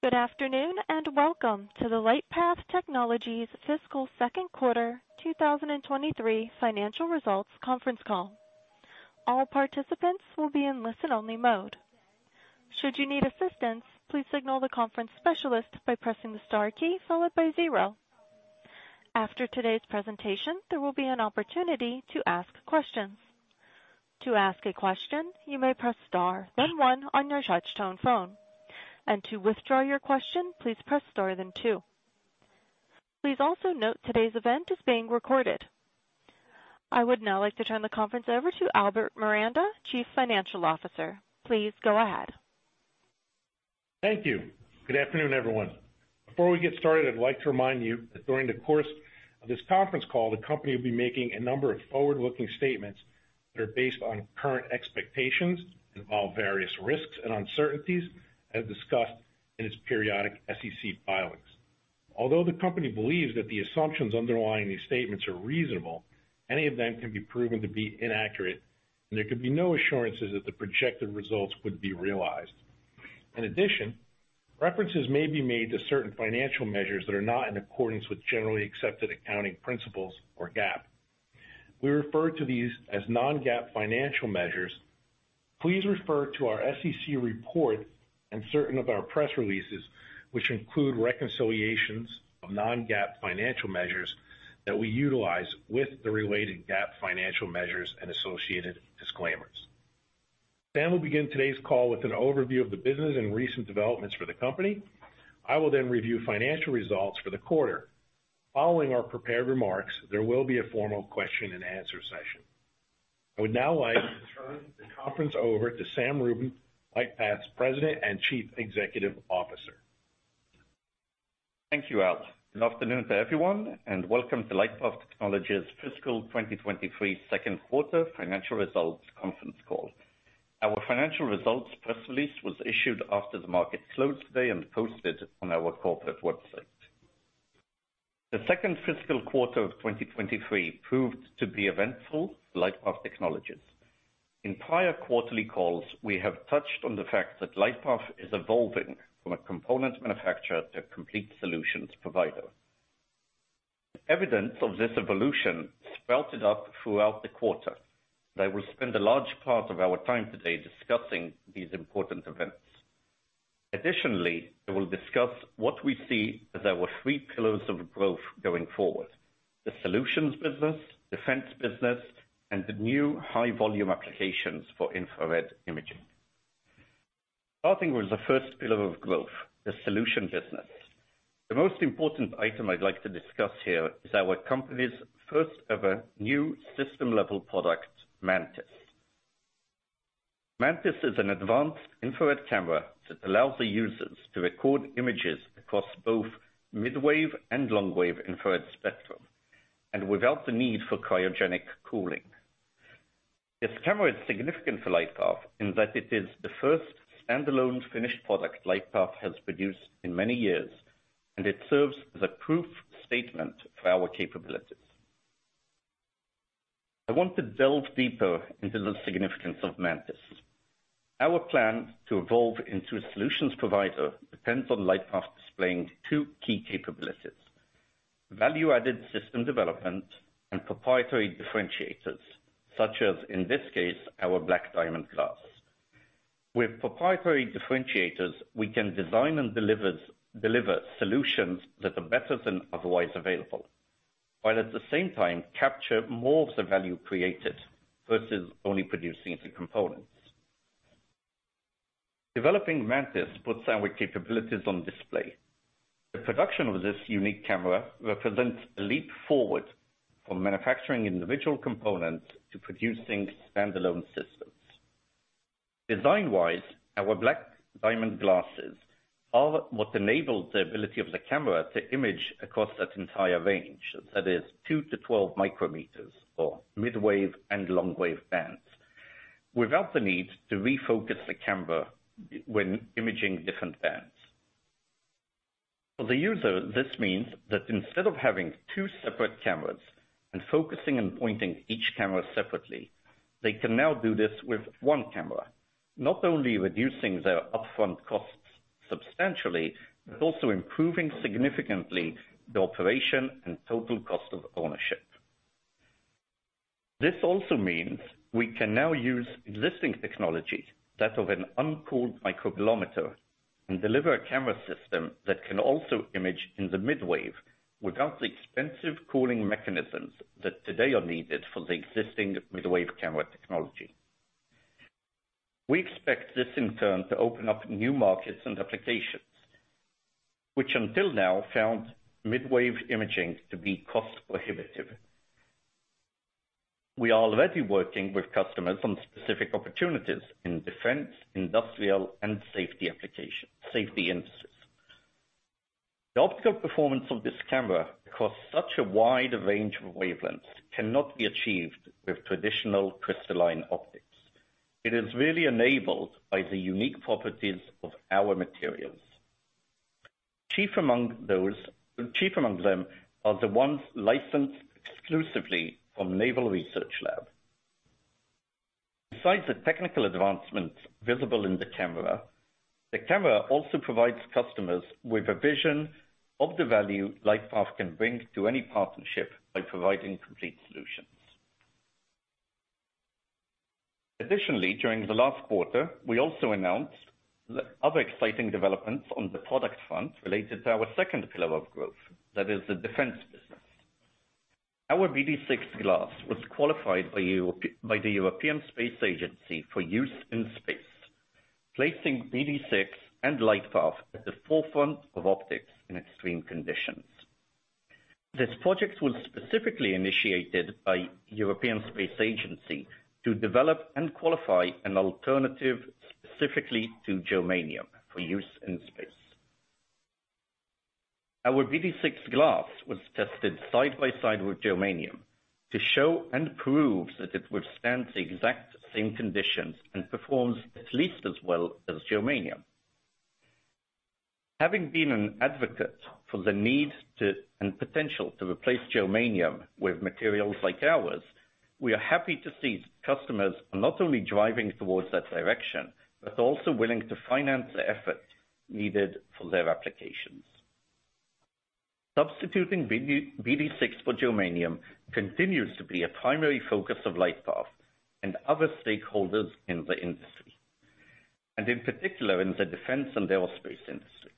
Good afternoon. Welcome to the LightPath Technologies Fiscal Second Quarter 2023 Financial Results Conference Call. All participants will be in listen-only mode. Should you need assistance, please signal the conference specialist by pressing the star key followed by zero. After today's presentation, there will be an opportunity to ask questions. To ask a question, you may press star then one on your touchtone phone. To withdraw your question, please press star then two. Please also note today's event is being recorded. I would now like to turn the conference over to Albert Miranda, Chief Financial Officer. Please go ahead. Thank you. Good afternoon, everyone. Before we get started, I'd like to remind you that during the course of this conference call, the company will be making a number of forward-looking statements that are based on current expectations, involve various risks and uncertainties as discussed in its periodic SEC filings. Although the company believes that the assumptions underlying these statements are reasonable, any of them can be proven to be inaccurate, and there can be no assurances that the projected results would be realized. In addition, references may be made to certain financial measures that are not in accordance with generally accepted accounting principles or GAAP. We refer to these as non-GAAP financial measures. Please refer to our SEC report and certain of our press releases, which include reconciliations of non-GAAP financial measures that we utilize with the related GAAP financial measures and associated disclaimers. Sam will begin today's call with an overview of the business and recent developments for the company. I will then review financial results for the quarter. Following our prepared remarks, there will be a formal question-and-answer session. I would now like to turn the conference over to Sam Rubin, LightPath's President and Chief Executive Officer. Thank you, Al. Good afternoon to everyone, and welcome to LightPath Technologies' Fiscal 2023 Second Quarter Financial Results Conference Call. Our financial results press release was issued after the market closed today and posted on our corporate website. The second fiscal quarter of 2023 proved to be eventful for LightPath Technologies. In prior quarterly calls, we have touched on the fact that LightPath is evolving from a component manufacturer to a complete solutions provider. Evidence of this evolution spouted up throughout the quarter. I will spend a large part of our time today discussing these important events. Additionally, I will discuss what we see as our three pillars of growth going forward: the solutions business, defense business, and the new high volume applications for infrared imaging. Starting with the first pillar of growth, the solution business. The most important item I'd like to discuss here is our company's first ever new system-level product, MANTIS. MANTIS is an advanced infrared camera that allows the users to record images across both midwave and long wave infrared spectrum, and without the need for cryogenic cooling. This camera is significant for LightPath in that it is the first standalone finished product LightPath has produced in many years, and it serves as a proof statement for our capabilities. I want to delve deeper into the significance of MANTIS. Our plan to evolve into a solutions provider depends on LightPath displaying two key capabilities: value-added system development and proprietary differentiators, such as, in this case, our BlackDiamond glass. With proprietary differentiators, we can design and deliver solutions that are better than otherwise available, while at the same time capture more of the value created versus only producing the components. Developing MANTIS puts our capabilities on display. The production of this unique camera represents a leap forward from manufacturing individual components to producing standalone systems. Design-wise, our BlackDiamond glasses are what enabled the ability of the camera to image across that entire range. That is 2-12 micrometers or midwave and long wave bands without the need to refocus the camera when imaging different bands. For the user, this means that instead of having two separate cameras and focusing and pointing each camera separately, they can now do this with one camera. Not only reducing their upfront costs substantially, but also improving significantly the operation and total cost of ownership. This also means we can now use existing technology, that of an uncooled microbolometer, and deliver a camera system that can also image in the midwave without the expensive cooling mechanisms that today are needed for the existing midwave camera technology. We expect this in turn to open up new markets and applications, which until now found midwave imaging to be cost-prohibitive. We are already working with customers on specific opportunities in defense, industrial, and safety applications, safety industries. The optical performance of this camera across such a wide range of wavelengths cannot be achieved with traditional crystalline optics. It is really enabled by the unique properties of our materials. Chief among them are the ones licensed exclusively from Naval Research Lab. The technical advancements visible in the camera, the camera also provides customers with a vision of the value LightPath can bring to any partnership by providing complete solutions. During the last quarter, we also announced the other exciting developments on the product front related to our second pillar of growth. That is the defense business. Our BD6 glass was qualified by the European Space Agency for use in space, placing BD6 and LightPath at the forefront of optics in extreme conditions. This project was specifically initiated by European Space Agency to develop and qualify an alternative specifically to germanium for use in space. Our BD6 glass was tested side by side with germanium to show and prove that it withstands the exact same conditions and performs at least as well as germanium. Having been an advocate for the need to, and potential to replace germanium with materials like ours, we are happy to see customers not only driving towards that direction, but also willing to finance the effort needed for their applications. Substituting BD6 for germanium continues to be a primary focus of LightPath and other stakeholders in the industry, and in particular in the defense and aerospace industries.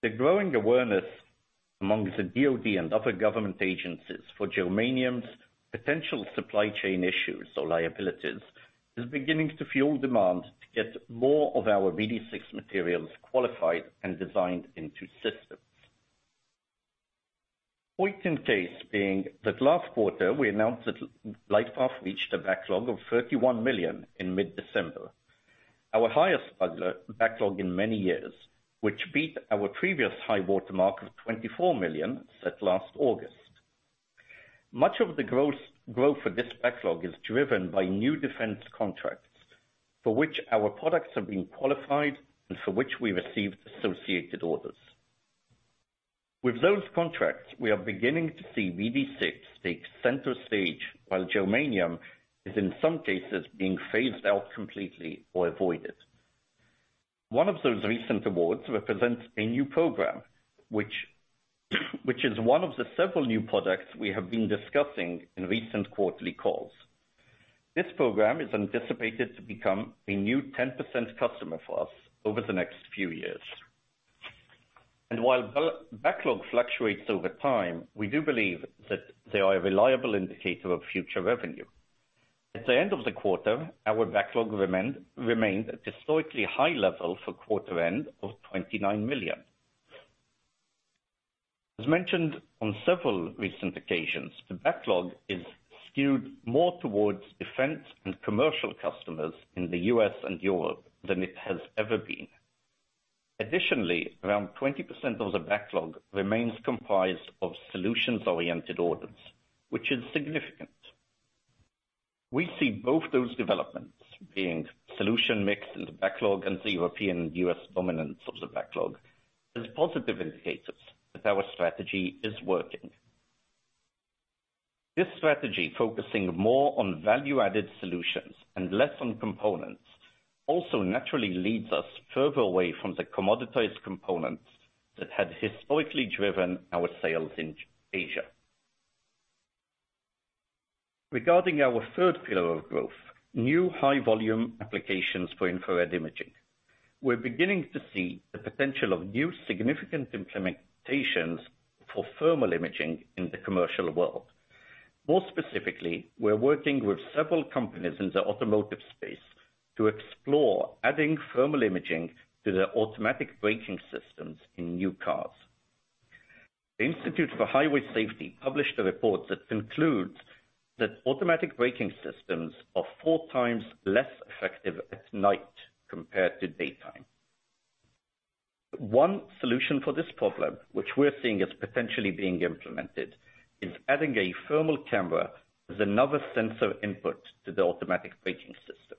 The growing awareness among the DOD and other government agencies for germanium's potential supply chain issues or liabilities is beginning to fuel demand to get more of our BD6 materials qualified and designed into systems. Point in case being that last quarter we announced that LightPath reached a backlog of $31 million in mid-December, our highest backlog in many years, which beat our previous high watermark of $24 million set last August. Much of the growth for this backlog is driven by new defense contracts for which our products have been qualified and for which we received associated orders. With those contracts, we are beginning to see BD6 take center stage while germanium is in some cases being phased out completely or avoided. One of those recent awards represents a new program which is one of the several new products we have been discussing in recent quarterly calls. This program is anticipated to become a new 10% customer for us over the next few years. While backlog fluctuates over time, we do believe that they are a reliable indicator of future revenue. At the end of the quarter, our backlog remained at historically high level for quarter end of $29 million. As mentioned on several recent occasions, the backlog is skewed more towards defense and commercial customers in the U.S. and Europe than it has ever been. Additionally, around 20% of the backlog remains comprised of solutions-oriented orders, which is significant. We see both those developments being solution mix in the backlog and the European U.S. dominance of the backlog as positive indicators that our strategy is working. This strategy, focusing more on value-added solutions and less on components, also naturally leads us further away from the commoditized components that had historically driven our sales in Asia. Regarding our third pillar of growth, new high volume applications for infrared imaging, we're beginning to see the potential of new significant implementations for thermal imaging in the commercial world. More specifically, we're working with several companies in the automotive space to explore adding thermal imaging to their automatic braking systems in new cars. The Insurance Institute for Highway Safety published a report that concludes that automatic braking systems are 4 times less effective at night compared to daytime. One solution for this problem, which we're seeing as potentially being implemented, is adding a thermal camera as another sensor input to the automatic braking system.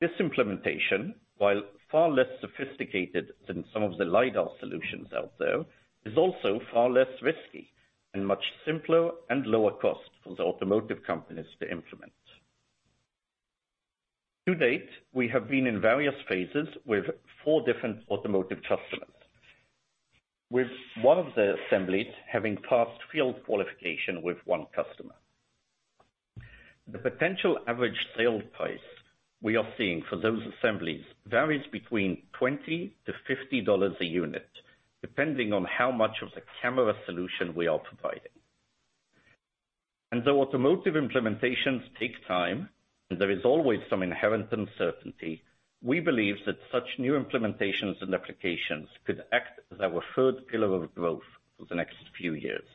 This implementation, while far less sophisticated than some of the lidar solutions out there, is also far less risky and much simpler and lower cost for the automotive companies to implement. To date, we have been in various phases with 4 different automotive customers. With one of the assemblies having passed field qualification with one customer. The potential average sale price we are seeing for those assemblies varies between $20-$50 a unit, depending on how much of the camera solution we are providing. Though automotive implementations take time and there is always some inherent uncertainty, we believe that such new implementations and applications could act as our third pillar of growth for the next few years.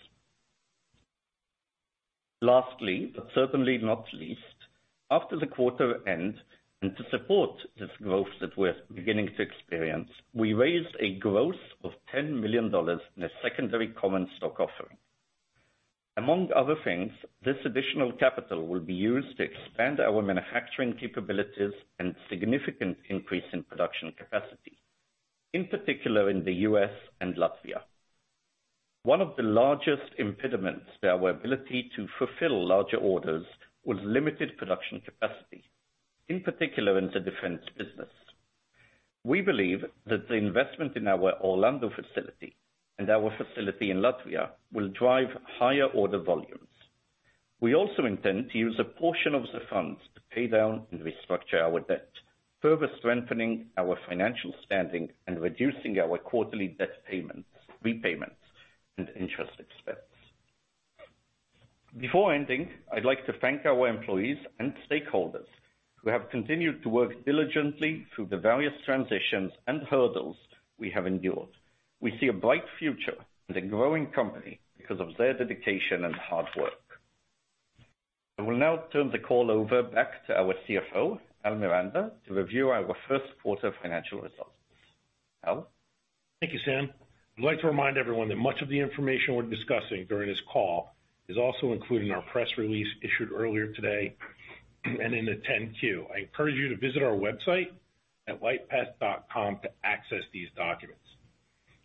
Lastly, but certainly not least, after the quarter end, and to support this growth that we're beginning to experience, we raised a gross of $10 million in a secondary common stock offering. Among other things, this additional capital will be used to expand our manufacturing capabilities and significant increase in production capacity. In particular in the U.S. and Latvia. One of the largest impediments to our ability to fulfill larger orders was limited production capacity, in particular in the defense business. We believe that the investment in our Orlando facility and our facility in Latvia will drive higher order volumes. We also intend to use a portion of the funds to pay down and restructure our debt, further strengthening our financial standing and reducing our quarterly debt payments, repayments and interest expense. Before ending, I'd like to thank our employees and stakeholders who have continued to work diligently through the various transitions and hurdles we have endured. We see a bright future with a growing company because of their dedication and hard work. I will now turn the call over back to our CFO, Al Miranda, to review our first quarter financial results. Al? Thank you, Sam. I'd like to remind everyone that much of the information we're discussing during this call is also included in our press release issued earlier today and in the 10-Q. I encourage you to visit our website at lightpath.com to access these documents.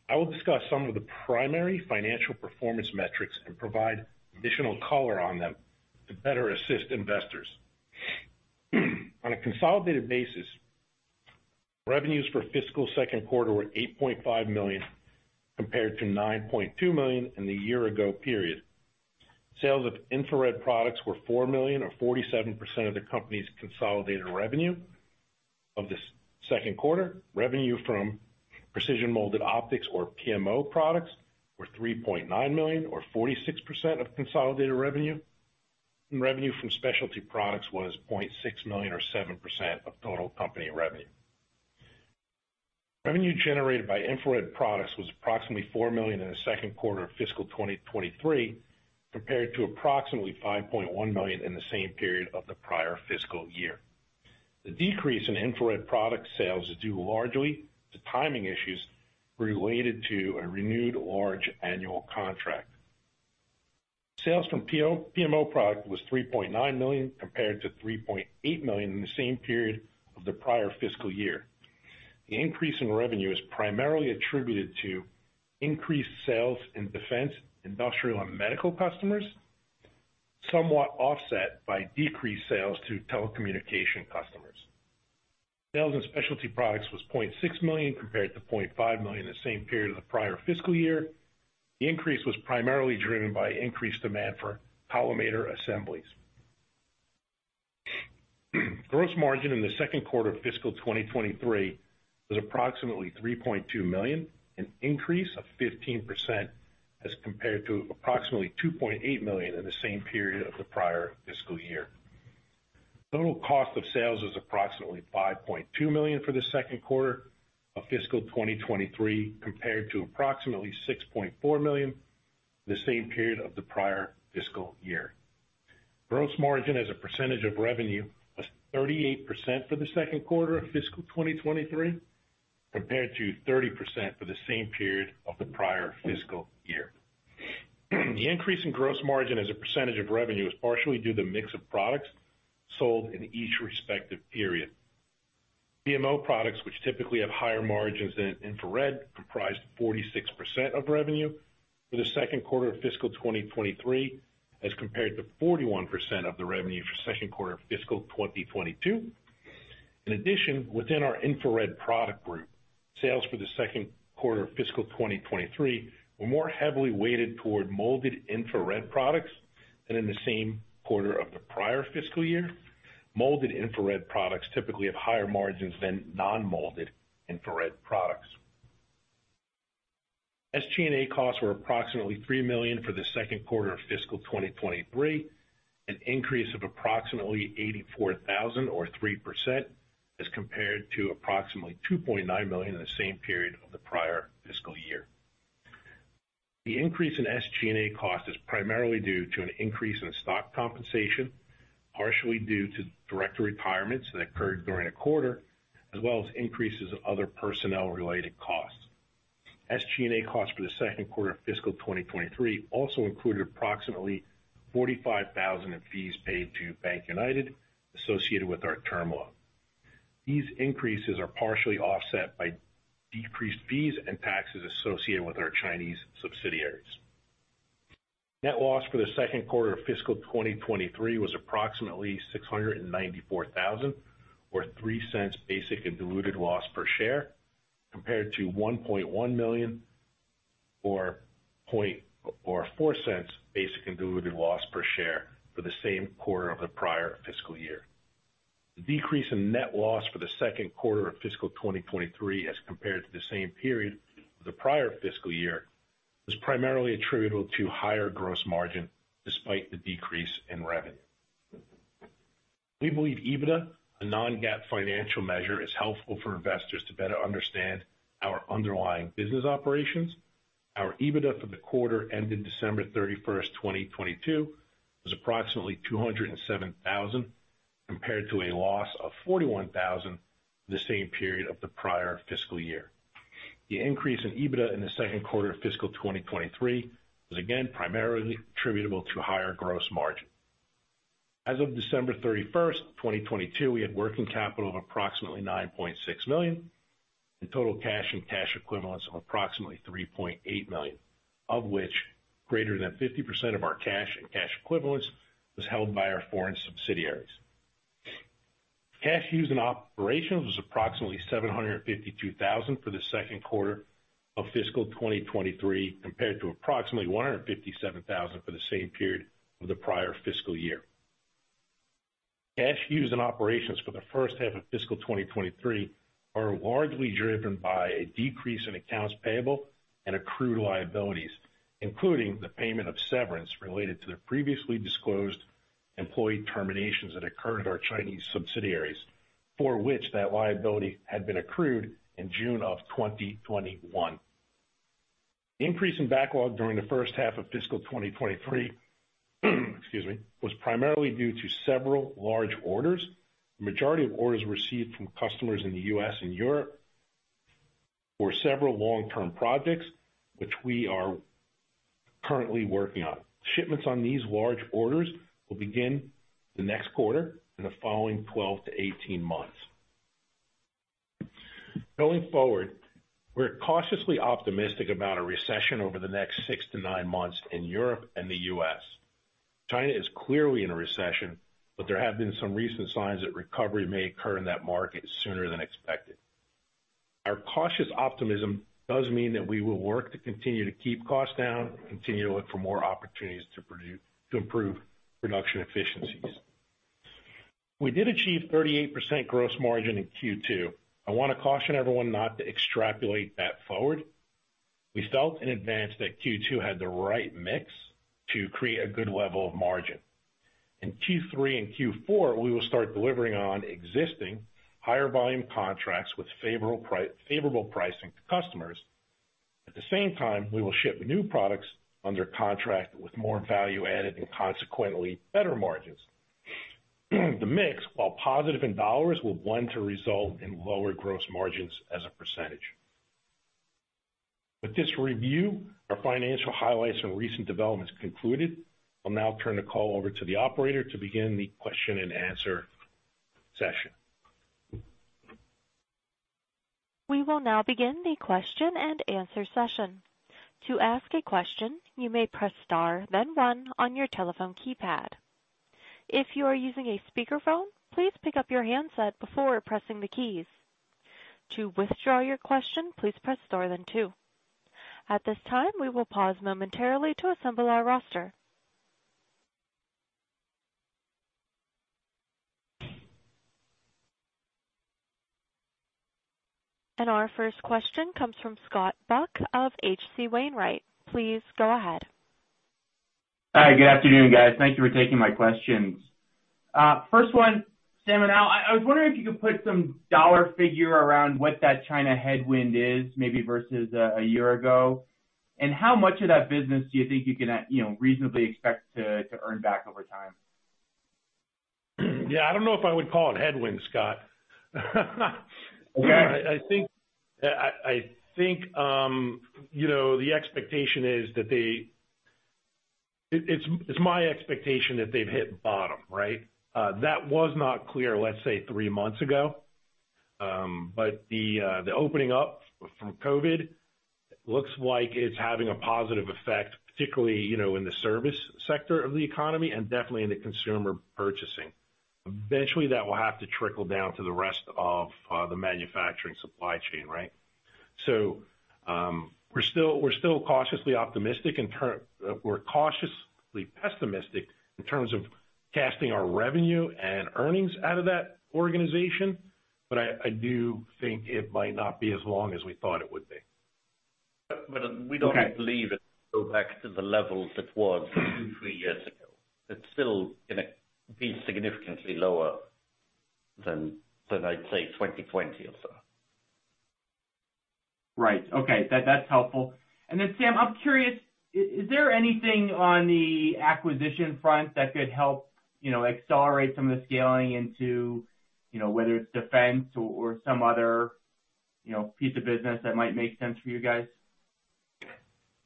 I will discuss some of the primary financial performance metrics and provide additional color on them to better assist investors. On a consolidated basis, revenues for fiscal second quarter were $8.5 million, compared to $9.2 million in the year ago period. Sales of infrared products were $4 million or 47% of the company's consolidated revenue. Of the second quarter, revenue from Precision Molded Optics or PMO products were $3.9 million or 46% of consolidated revenue. Revenue from specialty products was $0.6 million or 7% of total company revenue. Revenue generated by infrared products was approximately $4 million in the second quarter of fiscal 2023, compared to approximately $5.1 million in the same period of the prior fiscal year. The decrease in infrared product sales is due largely to timing issues related to a renewed large annual contract. Sales from PMO product was $3.9 million compared to $3.8 million in the same period of the prior fiscal year. The increase in revenue is primarily attributed to increased sales in defense, industrial and medical customers, somewhat offset by decreased sales to telecommunication customers. Sales in specialty products was $0.6 million compared to $0.5 million in the same period of the prior fiscal year. The increase was primarily driven by increased demand for collimator assemblies. Gross margin in the second quarter of fiscal 2023 was approximately $3.2 million, an increase of 15% as compared to approximately $2.8 million in the same period of the prior fiscal year. Total cost of sales was approximately $5.2 million for the second quarter of fiscal 2023, compared to approximately $6.4 million the same period of the prior fiscal year. Gross margin as a percentage of revenue was 38% for the second quarter of fiscal 2023, compared to 30% for the same period of the prior fiscal year. The increase in gross margin as a percentage of revenue is partially due to the mix of products sold in each respective period. PMO products, which typically have higher margins than infrared, comprised 46% of revenue for the second quarter of fiscal 2023, as compared to 41% of the revenue for second quarter of fiscal 2022. In addition, within our infrared product group, sales for the second quarter of fiscal 2023 were more heavily weighted toward molded infrared products than in the same quarter of the prior fiscal year. Molded infrared products typically have higher margins than non-molded infrared products. SG&A costs were approximately $3 million for the second quarter of fiscal 2023, an increase of approximately $84,000 or 3% as compared to approximately $2.9 million in the same period of the prior fiscal year. The increase in SG&A cost is primarily due to an increase in stock compensation, partially due to director retirements that occurred during the quarter, as well as increases in other personnel related costs. SG&A costs for the second quarter of fiscal 2023 also included approximately $45,000 in fees paid to BankUnited associated with our term loan. These increases are partially offset by decreased fees and taxes associated with our Chinese subsidiaries. Net loss for the second quarter of fiscal 2023 was approximately $694,000 or $0.03 basic and diluted loss per share, compared to $1.1 million or $0.04 basic and diluted loss per share for the same quarter of the prior fiscal year. The decrease in net loss for the second quarter of fiscal 2023 as compared to the same period for the prior fiscal year, was primarily attributable to higher gross margin despite the decrease in revenue. We believe EBITDA, a non-GAAP financial measure, is helpful for investors to better understand our underlying business operations. Our EBITDA for the quarter ended December 31st, 2022 was approximately $207,000, compared to a loss of $41,000 the same period of the prior fiscal year. The increase in EBITDA in the second quarter of fiscal 2023 was again primarily attributable to higher gross margin. As of December 31st, 2022, we had working capital of approximately $9.6 million, and total cash and cash equivalents of approximately $3.8 million, of which greater than 50% of our cash and cash equivalents was held by our foreign subsidiaries. Cash used in operations was approximately $752,000 for the second quarter of fiscal 2023, compared to approximately $157,000 for the same period of the prior fiscal year. Cash used in operations for the first half of fiscal 2023 are largely driven by a decrease in accounts payable and accrued liabilities, including the payment of severance related to the previously disclosed employee terminations that occurred at our Chinese subsidiaries, for which that liability had been accrued in June of 2021. Increase in backlog during the first half of fiscal 2023, excuse me, was primarily due to several large orders. Majority of orders received from customers in the U.S. and Europe were several long-term projects which we are currently working on. Shipments on these large orders will begin the next quarter in the following 12-18 months. Going forward, we're cautiously optimistic about a recession over the next 6-9 months in Europe and the U.S. China is clearly in a recession. There have been some recent signs that recovery may occur in that market sooner than expected. Our cautious optimism does mean that we will work to continue to keep costs down and continue to look for more opportunities to improve production efficiencies. We did achieve 38% gross margin in Q2. I wanna caution everyone not to extrapolate that forward. We felt in advance that Q2 had the right mix to create a good level of margin. In Q3 and Q4, we will start delivering on existing higher volume contracts with favorable pricing to customers. At the same time, we will ship new products under contract with more value added and consequently better margins. The mix, while positive in dollars, will blend to result in lower gross margins as a %. With this review, our financial highlights and recent developments concluded, I'll now turn the call over to the operator to begin the question-and-answer session. We will now begin the question-and-answer session. To ask a question, you may press star then one on your telephone keypad. If you are using a speakerphone, please pick up your handset before pressing the keys. To withdraw your question, please press star then two. At this time, we will pause momentarily to assemble our roster. Our first question comes from Scott Buck of H.C. Wainwright. Please go ahead. Hi. Good afternoon, guys. Thank you for taking my questions. First one, Sam and Al, I was wondering if you could put some dollar figure around what that China headwind is maybe versus a year ago? How much of that business do you think you can, you know, reasonably expect to earn back over time? Yeah, I don't know if I would call it headwind, Scott. Okay. I think, I think, you know, the expectation is that they... It's my expectation that they've hit bottom, right? That was not clear, let's say, three months ago. The opening up from COVID looks like it's having a positive effect, particularly, you know, in the service sector of the economy and definitely in the consumer purchasing. Eventually, that will have to trickle down to the rest of the manufacturing supply chain, right? We're still cautiously optimistic. We're cautiously pessimistic in terms of casting our revenue and earnings out of that organization, but I do think it might not be as long as we thought it would be. But, but we don't- Okay... believe it will go back to the level that was 2, 3 years ago. It's still gonna be significantly lower than I'd say, 2020 or so. Right. Okay. That's helpful. Then Sam, I'm curious, is there anything on the acquisition front that could help, you know, accelerate some of the scaling into, you know, whether it's defense or some other, you know, piece of business that might make sense for you guys?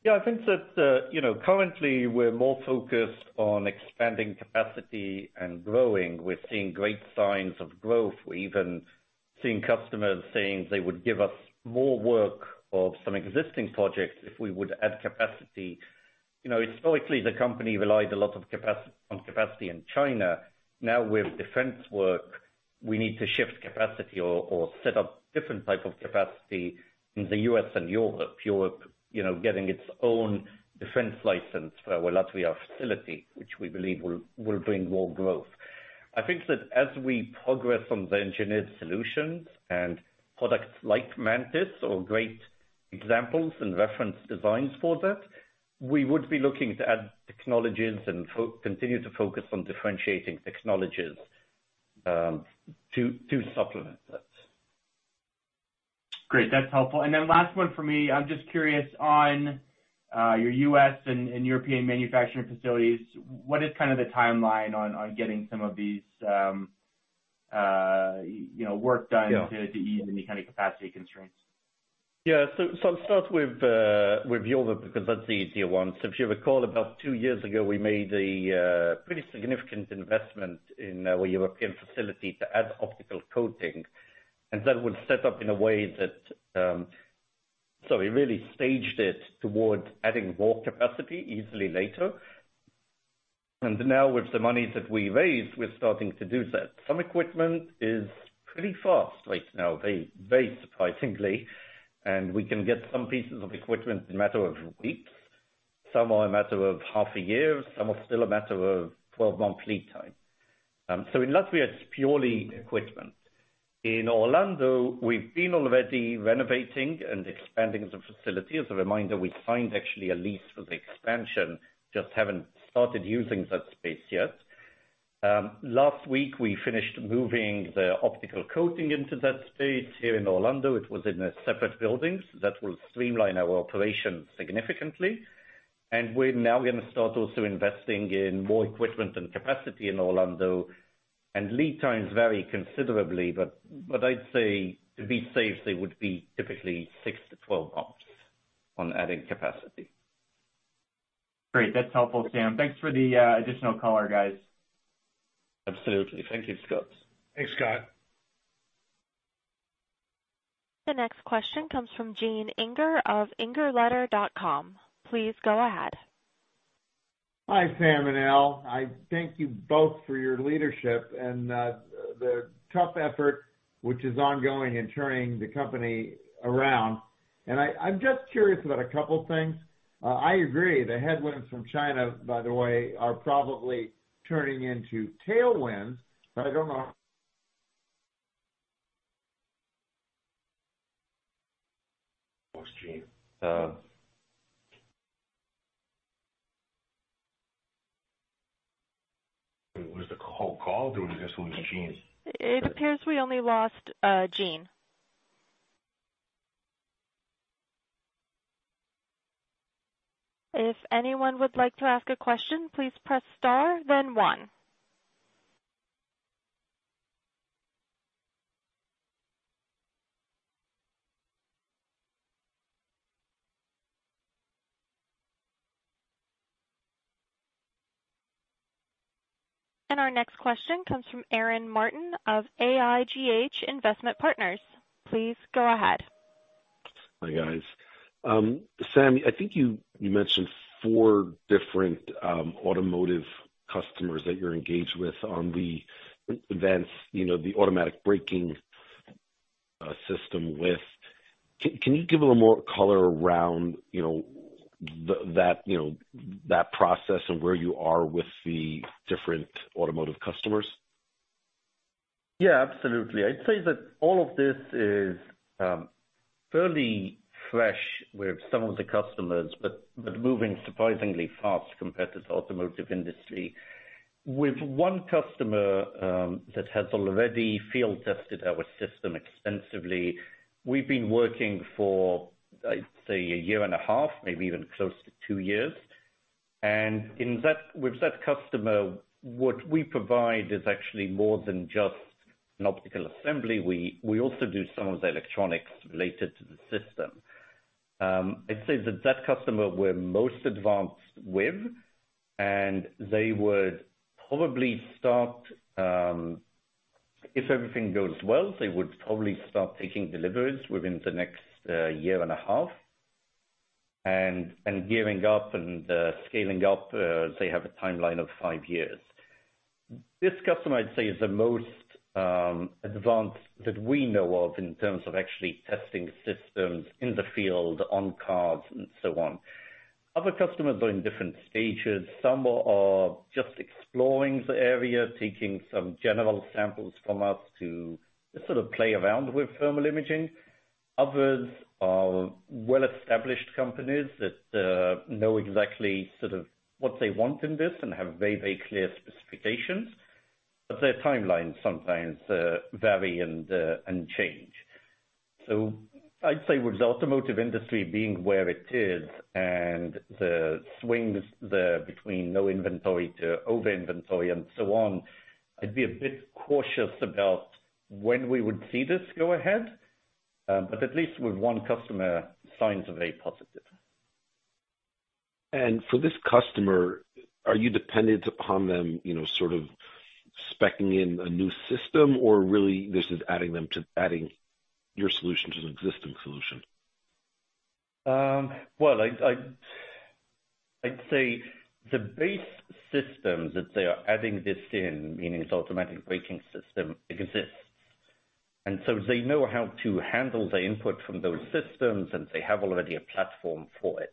Yeah. I think that, you know, currently we're more focused on expanding capacity and growing. We're seeing great signs of growth. We even seeing customers saying they would give us more work of some existing projects if we would add capacity. You know, historically, the company relied a lot on capacity in China. Now, with defense work, we need to shift capacity or set up different type of capacity in the U.S. and Europe. Europe, you know, getting its own defense license for our Latvia facility, which we believe will bring more growth. I think that as we progress on the engineered solutions and products like MANTIS or great examples and reference designs for that, we would be looking to add technologies and continue to focus on differentiating technologies to supplement that. Great. That's helpful. Last one for me. I'm just curious on your U.S. and European manufacturing facilities, what is kind of the timeline on getting some of these, you know, work done. Yeah... to ease any kind of capacity constraints? Yeah. I'll start with you because that's the easier one. If you recall, about 2 years ago, we made a pretty significant investment in our European facility to add optical coating. That was set up in a way that we really staged it towards adding more capacity easily later. Now with the monies that we raised, we're starting to do that. Some equipment is pretty fast right now, very, very surprisingly, and we can get some pieces of equipment in a matter of weeks. Some are a matter of half a year. Some are still a matter of 12-month lead time. In Latvia, it's purely equipment. In Orlando, we've been already renovating and expanding the facility. As a reminder, we signed actually a lease for the expansion, just haven't started using that space yet. Last week, we finished moving the optical coating into that space here in Orlando. It was in a separate building. That will streamline our operation significantly. We're now gonna start also investing in more equipment and capacity in Orlando. Lead times vary considerably, but I'd say to be safe, they would be typically 6-12 months on adding capacity. Great. That's helpful, Sam. Thanks for the additional color, guys. Absolutely. Thank you, Scott. Thanks, Scott. The next question comes from Gene Inger of ingerletter.com. Please go ahead. Hi, Sam and Al. I thank you both for your leadership and the tough effort which is ongoing in turning the company around. I'm just curious about a couple things. I agree, the headwinds from China, by the way, are probably turning into tailwinds. I don't know. Lost Gene. Was the whole call, or was this just Gene? It appears we only lost, Gene. If anyone would like to ask a question, please press star then one. Our next question comes from Aaron Martin of AIGH Investment Partners. Please go ahead. Hi, guys. Sam, I think you mentioned 4 different automotive customers that you're engaged with on the events, you know, the automatic braking system with. Can you give a little more color around, you know, that, you know, that process and where you are with the different automotive customers? Yeah, absolutely. I'd say that all of this is fairly fresh with some of the customers, but moving surprisingly fast compared to the automotive industry. With one customer that has already field tested our system extensively, we've been working for, I'd say, a year and a half, maybe even close to 2 years. With that customer, what we provide is actually more than just an optical assembly. We also do some of the electronics related to the system. I'd say that that customer we're most advanced with, and they would probably start, if everything goes well, they would probably start taking deliveries within the next year and a half. Gearing up and scaling up, they have a timeline of 5 years. This customer, I'd say, is the most advanced that we know of in terms of actually testing systems in the field, on cars and so on. Other customers are in different stages. Some are just exploring the area, taking some general samples from us to just sort of play around with thermal imaging. Others are well-established companies that know exactly sort of what they want in this and have very, very clear specifications, their timelines sometimes vary and change. I'd say with the automotive industry being where it is and the swings between no inventory to over inventory and so on, I'd be a bit cautious about when we would see this go ahead. At least with one customer, signs are very positive. For this customer, are you dependent upon them, you know, sort of speccing in a new system, or really this is adding your solution to the existing solution? Well, I'd say the base systems that they are adding this in, meaning this automatic braking system, it exists. They know how to handle the input from those systems, and they have already a platform for it.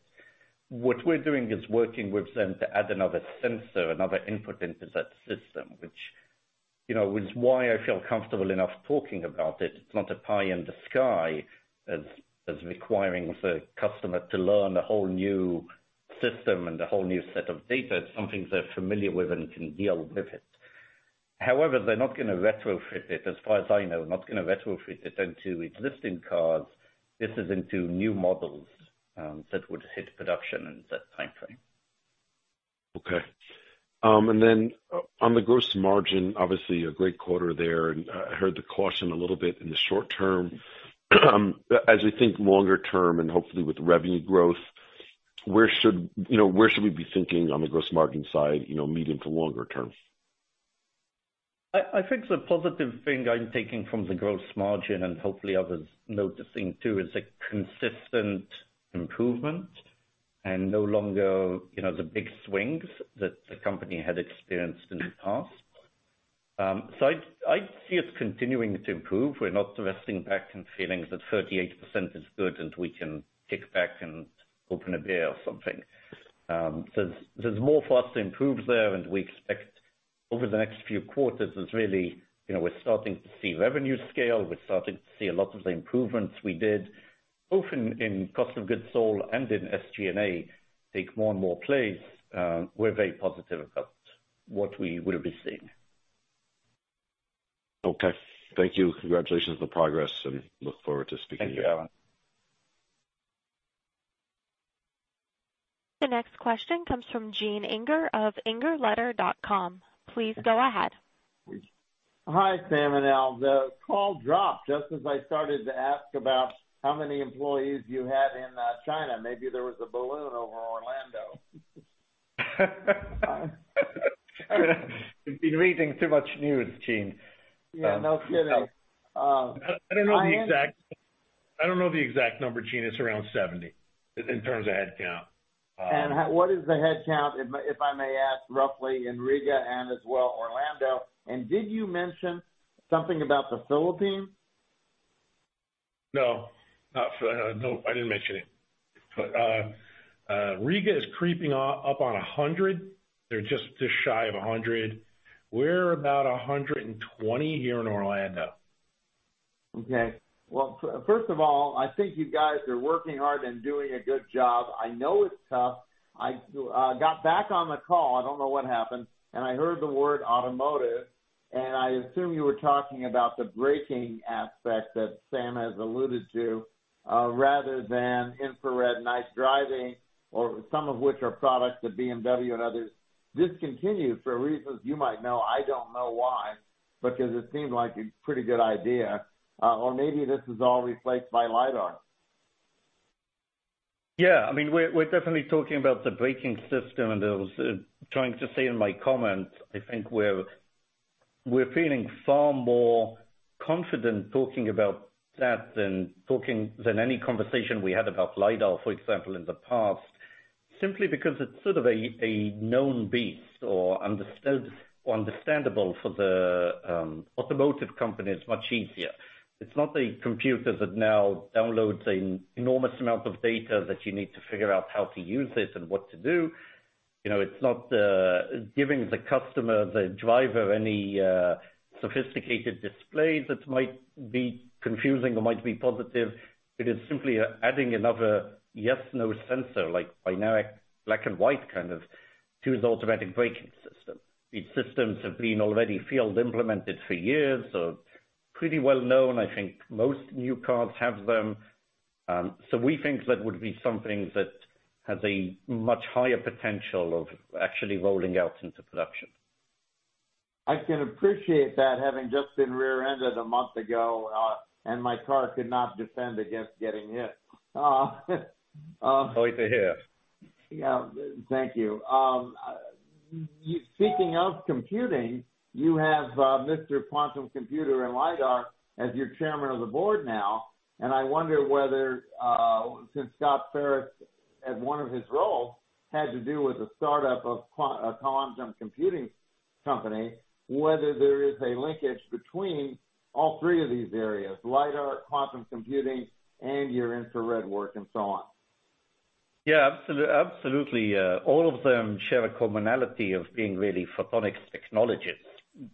What we're doing is working with them to add another sensor, another input into that system, which, you know, is why I feel comfortable enough talking about it. It's not a pie in the sky as requiring the customer to learn a whole new system and a whole new set of data. It's something they're familiar with and can deal with it. However, they're not gonna retrofit it, as far as I know, not gonna retrofit it into existing cars. This is into new models that would hit production in that timeframe. Okay. On the gross margin, obviously a great quarter there and heard the caution a little bit in the short term. As we think longer term and hopefully with revenue growth, where should, you know, where should we be thinking on the gross margin side, you know, medium to longer term? I think the positive thing I'm taking from the gross margin and hopefully others noticing too, is a consistent improvement and no longer, you know, the big swings that the company had experienced in the past. I see it continuing to improve. We're not resting back and feeling that 38% is good, and we can kick back and open a beer or something. There's more for us to improve there, and we expect over the next few quarters is really, you know, we're starting to see revenue scale. We're starting to see a lot of the improvements we did, both in cost of goods sold and in SG&A take more and more place. We're very positive about what we will be seeing. Okay. Thank you. Congratulations on the progress and look forward to speaking again. Thank you, Aaron. The next question comes from Gene Inger of ingerletter.com. Please go ahead. Hi, Sam and Al. The call dropped just as I started to ask about how many employees you had in China. Maybe there was a balloon over Orlando. You've been reading too much news, Gene. Yeah. No kidding. I don't know the exact number, Gene. It's around 70 in terms of headcount. What is the headcount, if I may ask roughly in Riga and as well, Orlando? Did you mention something about the Philippines? No, not no, I didn't mention it. Riga is creeping up on 100. They're just shy of 100. We're about 120 here in Orlando. Okay. Well, first of all, I think you guys are working hard and doing a good job. I know it's tough. I got back on the call. I don't know what happened. I heard the word automotive, and I assume you were talking about the braking aspect that Sam has alluded to, rather than infrared night driving or some of which are products of BMW and others discontinued for reasons you might know. I don't know why, because it seemed like a pretty good idea. Maybe this is all replaced by lidar. Yeah. I mean, we're definitely talking about the braking system. I was trying to say in my comments, I think we're feeling far more confident talking about that than talking than any conversation we had about lidar, for example, in the past, simply because it's sort of a known beast or understandable for the automotive company. It's much easier. It's not a computer that now downloads an enormous amount of data that you need to figure out how to use it and what to do. You know, it's not giving the customer, the driver any sophisticated display that might be confusing or might be positive. It is simply adding another yes, no sensor like binary, black and white kind of to the automatic braking system. These systems have been already field implemented for years, so pretty well known. I think most new cars have them. We think that would be something that has a much higher potential of actually rolling out into production. I can appreciate that having just been rear-ended a month ago, my car could not defend against getting hit. Sorry to hear. Yeah, thank you. Speaking of computing, you have Mr. Quantum Computer and Lidar as your Chairman of the Board now, I wonder whether, since Scott Faris, as one of his roles, had to do with the startup of a quantum computing company, whether there is a linkage between all three of these areas, lidar, quantum computing and your infrared work and so on. Yeah, absolutely. All of them share a commonality of being really photonics technologies,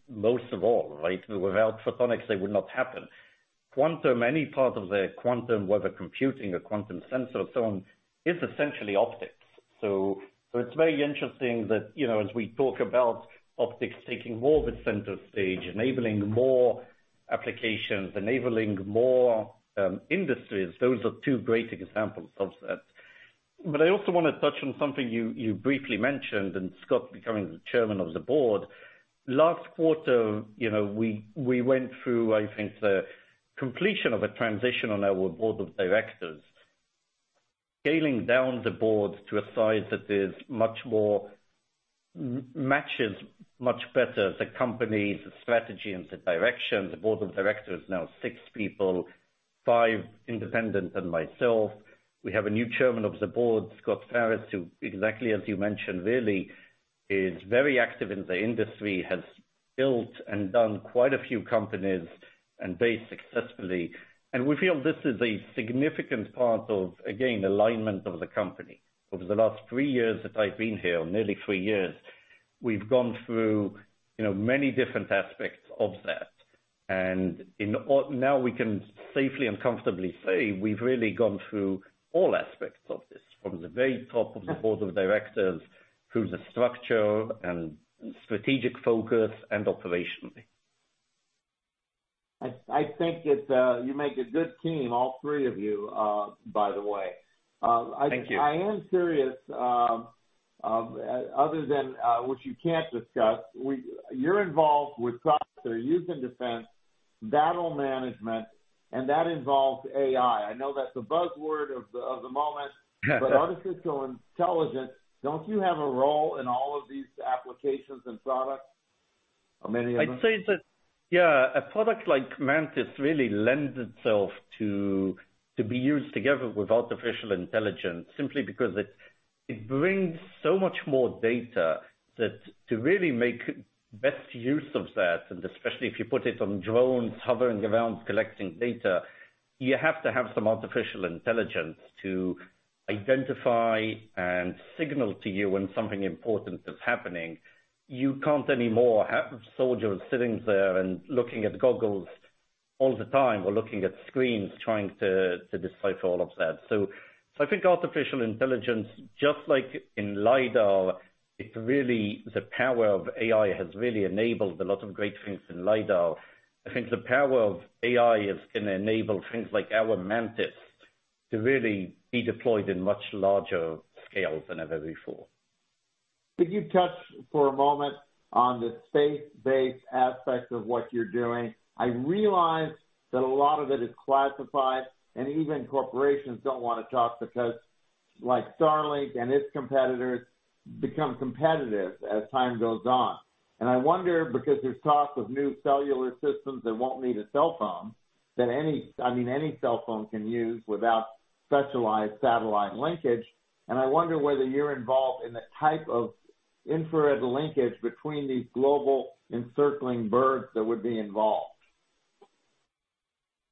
most of all, right? Without photonics, they would not happen. Quantum, any part of the quantum, whether computing or quantum sensor or so on, is essentially optics. It's very interesting that, you know, as we talk about optics taking more of the center stage, enabling more applications, enabling more industries, those are two great examples of that. I also wanna touch on something you briefly mentioned and Scott becoming the Chairman of the Board. Last quarter, you know, we went through, I think, the completion of a transition on our board of directors, scaling down the board to a size that much more matches much better the company, the strategy and the direction. The board of directors is now 6 people, 5 independent and myself. We have a new chairman of the board, Scott Faris, who exactly as you mentioned, really is very active in the industry, has built and done quite a few companies and very successfully. We feel this is a significant part of, again, alignment of the company. Over the last three years that I've been here, nearly three years, we've gone through, you know, many different aspects of that. Now we can safely and comfortably say we've really gone through all aspects of this, from the very top of the board of directors through the structure and strategic focus and operationally. I think it, you make a good team, all three of you, by the way. Thank you. I am serious. Other than what you can't discuss, you're involved with software used in defense, battle management, and that involves AI. I know that's a buzzword of the moment. Yeah. Artificial intelligence, don't you have a role in all of these applications and products? Or many of them? I'd say that, yeah, a product like MANTIS really lends itself to be used together with artificial intelligence, simply because it brings so much more data that to really make best use of that. Especially if you put it on drones hovering around collecting data, you have to have some artificial intelligence to identify and signal to you when something important is happening. You can't anymore have soldiers sitting there and looking at goggles all the time or looking at screens trying to decipher all of that. I think artificial intelligence, just like in lidar, it really the power of AI has really enabled a lot of great things in lidar. I think the power of AI is gonna enable things like our MANTIS to really be deployed in much larger scales than ever before. Could you touch for a moment on the space-based aspect of what you're doing? I realize that a lot of it is classified, and even corporations don't wanna talk because, like, Starlink and its competitors become competitive as time goes on. I wonder because there's talk of new cellular systems that won't need a cell phone, that any, I mean, any cell phone can use without specialized satellite linkage, and I wonder whether you're involved in the type of infrared linkage between these global encircling birds that would be involved.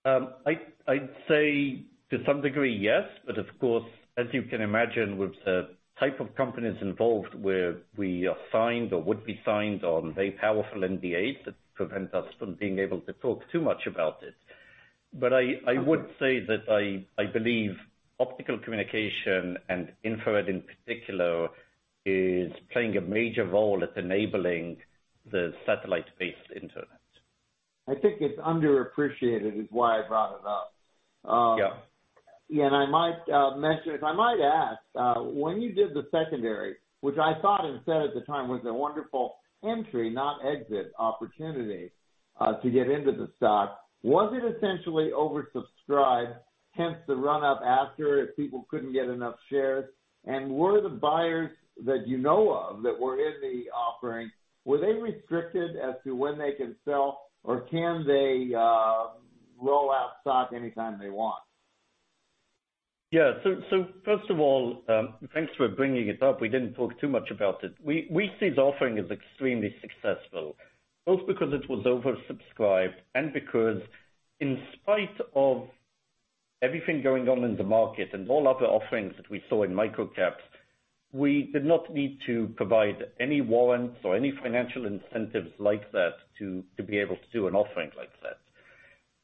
I'd say to some degree, yes. Of course, as you can imagine, with the type of companies involved, where we are signed or would be signed on very powerful NDAs that prevent us from being able to talk too much about it. I would say that I believe optical communication and infrared in particular is playing a major role at enabling the satellite-based internet. I think it's underappreciated is why I brought it up. Yeah. Yeah, and I might ask, when you did the secondary, which I thought instead at the time was a wonderful entry, not exit opportunity, to get into the stock. Was it essentially oversubscribed, hence the run-up after if people couldn't get enough shares? Were the buyers that you know of that were in the offering, were they restricted as to when they can sell, or can they roll out stock anytime they want? Yeah. First of all, thanks for bringing it up. We didn't talk too much about it. We see the offering as extremely successful, both because it was oversubscribed and because in spite of everything going on in the market and all other offerings that we saw in microcaps, we did not need to provide any warrants or any financial incentives like that to be able to do an offering like that.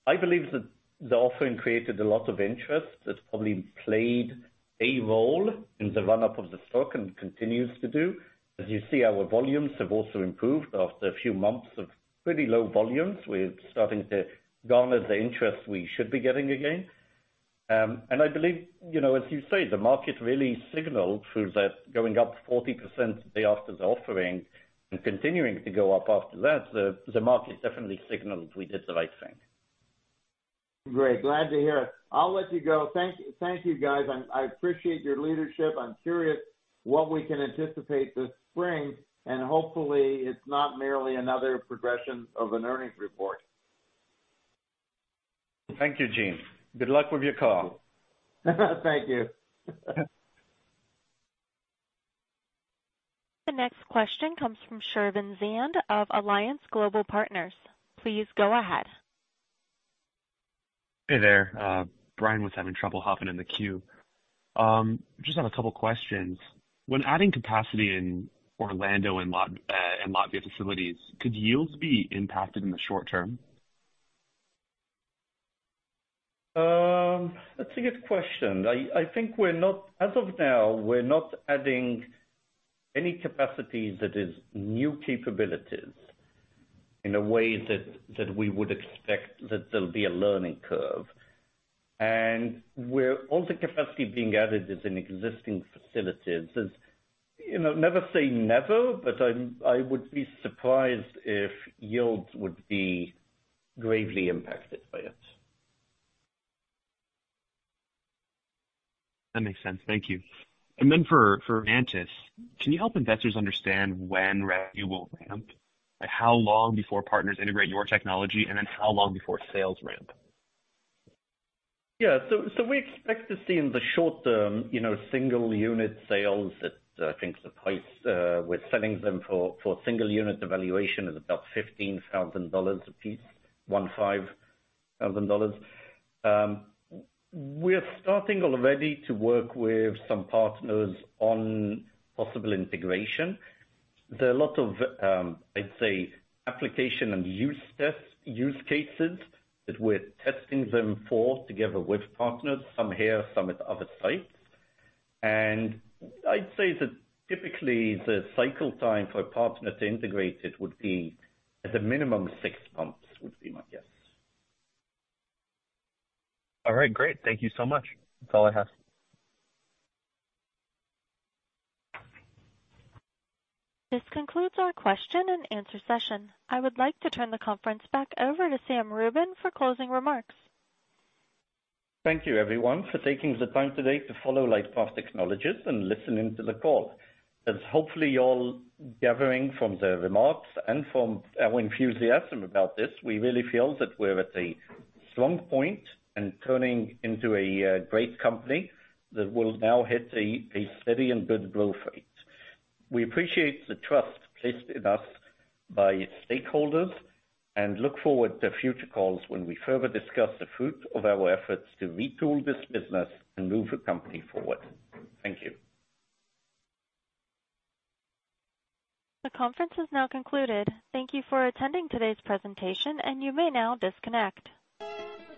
I believe that the offering created a lot of interest that probably played a role in the run-up of the stock and continues to do. As you see, our volumes have also improved after a few months of pretty low volumes. We're starting to garner the interest we should be getting again. I believe, you know, as you say, the market really signaled through that going up 40% the day after the offering and continuing to go up after that. The market definitely signaled we did the right thing. Great. Glad to hear it. I'll let you go. Thank you guys. I appreciate your leadership. I'm curious what we can anticipate this spring, and hopefully, it's not merely another progression of an earnings report. Thank you, Gene. Good luck with your call. Thank you. The next question comes from Shervin Zand of Alliance Global Partners. Please go ahead. Hey there. Brian was having trouble hopping in the queue. Just have a couple questions. When adding capacity in Orlando and Latvia facilities, could yields be impacted in the short term? That's a good question. As of now, we're not adding any capacities that is new capabilities in a way that we would expect that there'll be a learning curve. Where all the capacity being added is in existing facilities is, you know, never say never, but I would be surprised if yields would be gravely impacted by it. That makes sense. Thank you. For MANTIS, can you help investors understand when revenue will ramp? How long before partners integrate your technology, how long before sales ramp? Yeah. We expect to see in the short term, you know, single unit sales at, I think the price we're selling them for single unit evaluation is about $15,000 a piece, $15,000. We're starting already to work with some partners on possible integration. There are a lot of, I'd say, application and use cases that we're testing them for together with partners, some here, some at other sites. I'd say that typically the cycle time for a partner to integrate it would be at a minimum six months, would be my guess. All right. Great. Thank you so much. That's all I have. This concludes our question and answer session. I would like to turn the conference back over to Sam Rubin for closing remarks. Thank you everyone for taking the time today to follow LightPath Technologies and listening to the call. As hopefully you're gathering from the remarks and from our enthusiasm about this, we really feel that we're at a strong point in turning into a great company that will now hit a steady and good growth rate. We appreciate the trust placed in us by stakeholders and look forward to future calls when we further discuss the fruits of our efforts to retool this business and move the company forward. Thank you. The conference has now concluded. Thank you for attending today's presentation, and you may now disconnect.